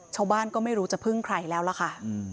ชาวบ้านก็ไม่รู้จะพึ่งใครแล้วล่ะค่ะ